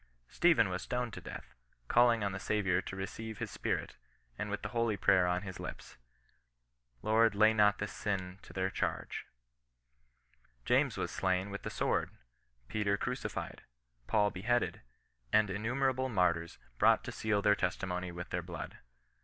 Stephen wa« stoned to death, calling on the Saviour to receive his spirit, and with the holy prayer on his lips, '^ Lord lay 9iot this sin to tJieir charged James was slain with the sword, Peter crucified, Paul beheaded, and innumerable martyrs brought to seal their testimony with their blood.